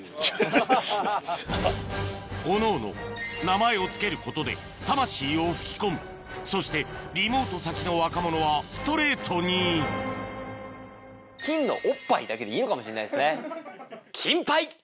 おのおの名前を付けることで魂を吹き込むそしてリモート先の若者はストレートにだけでいいのかもしれないですね。